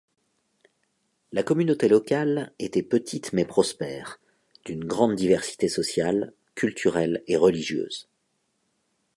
La communauté locale était petite mais prospère, d'une grande diversité sociale, culturelle et religieuse.